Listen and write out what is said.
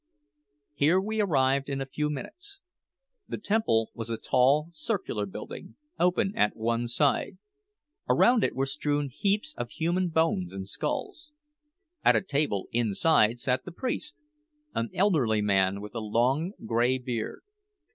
Here we arrived in a few minutes. The temple was a tall, circular building, open at one side. Around it were strewn heaps of human bones and skulls. At a table inside sat the priest, an elderly man with a long grey beard.